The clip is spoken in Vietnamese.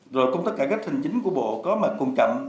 rồi công tác cải cách hành chính của bộ có mặt còn chậm